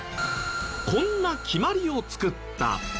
こんな決まりを作った。